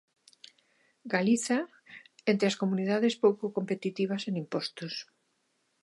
Galiza entre as comunidades pouco competitivas en impostos.